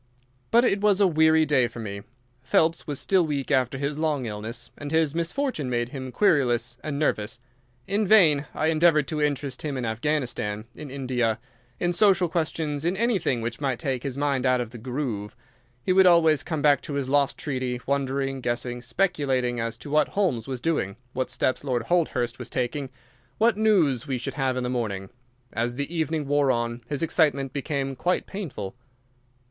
But it was a weary day for me. Phelps was still weak after his long illness, and his misfortune made him querulous and nervous. In vain I endeavoured to interest him in Afghanistan, in India, in social questions, in anything which might take his mind out of the groove. He would always come back to his lost treaty, wondering, guessing, speculating, as to what Holmes was doing, what steps Lord Holdhurst was taking, what news we should have in the morning. As the evening wore on his excitement became quite painful.